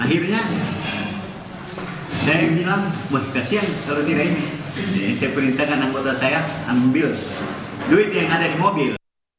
akhirnya saya bilang mas kasihan kalau tidak ini